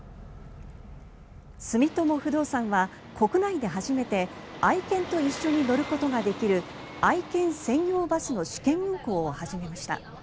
住友不動産は国内で初めて愛犬と一緒に乗ることができる愛犬専用バスの試験運行を始めました。